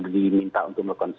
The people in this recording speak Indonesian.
diminta untuk mengonsultasi